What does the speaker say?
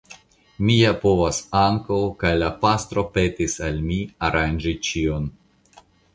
Mi ja povas ankaŭ, kaj la pastro petis al mi aranĝi ĉion.